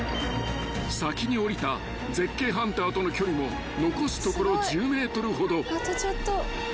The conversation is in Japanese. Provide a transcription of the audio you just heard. ［先におりた絶景ハンターとの距離も残すところ１０ｍほど］